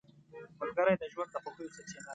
ملګری د ژوند د خوښیو سرچینه ده